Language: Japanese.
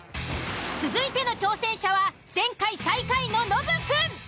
続いての挑戦者は前回最下位のノブくん。